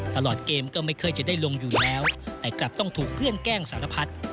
ตลอดเกมก็ไม่ค่อยจะได้ลงอยู่แล้วแต่กลับต้องถูกเพื่อนแกล้งสารพัด